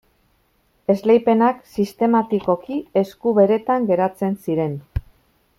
Esleipenak sistematikoki esku beretan geratzen ziren.